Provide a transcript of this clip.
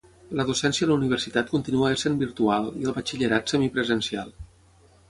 La docència a la universitat continua essent virtual; i al batxillerat, semipresencial.